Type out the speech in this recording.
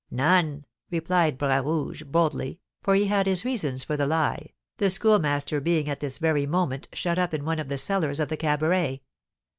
"None," replied Bras Rouge, boldly, for he had his reasons for the lie, the Schoolmaster being at this very moment shut up in one of the cellars of the cabaret.